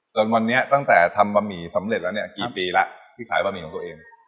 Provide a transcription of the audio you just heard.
จนวันนี้ตั้งแต่ทำบะหมี่สำเร็จแล้วเนี่ยกี่ปีแล้วที่ขายบะหมี่ของตัวเอง